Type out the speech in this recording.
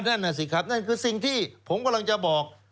นั่นน่ะสิครับนั่นคือสิ่งที่ผมกำลังจะบอก